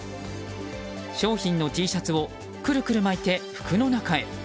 商品のＴシャツをクルクル巻いて服の中へ。